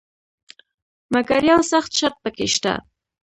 مګر یو سخت شرط پکې شته.